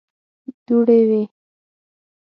دوړې وې.